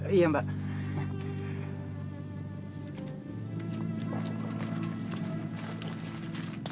serunting iya mas